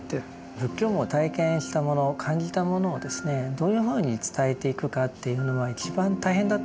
仏教も体験したもの感じたものをどういうふうに伝えていくかっていうのは一番大変だったんだと思うんです。